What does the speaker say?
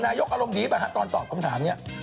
อารมณ์ดีป่ะฮะตอนตอบคำถามนี้